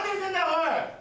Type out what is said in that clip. おい！